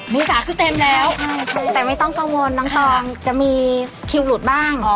เมษาคือเต็มแล้วแต่ไม่ต้องกังวลน้องตองจะมีคิวหลุดบ้าง